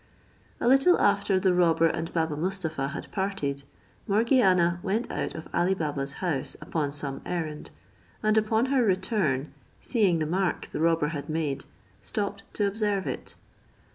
A little after the robber and Baba Mustapha had parted, Morgiana went out of Ali Baba's house upon some errand, and upon her return, seeing the mark the robber had made, stopped to observe it.